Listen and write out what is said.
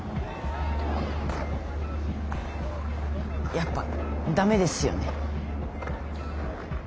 やっぱ駄目ですよね。